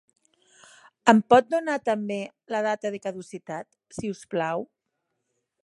Em pot donar també la data de caducitat, si us plau?